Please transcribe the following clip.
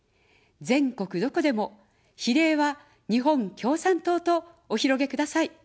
全国どこでも、比例は日本共産党とお広げください。